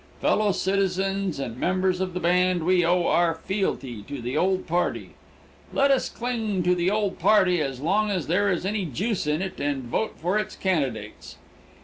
Fellow citizens and members of the band, we owe our fealty to the old party. Let us cling to the old party as long as there is any juice in it and vote for its candidates.